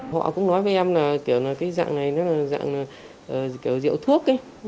họ cũng nói với em là kiểu là cái dạng này nó là dạng kiểu thuốc ấy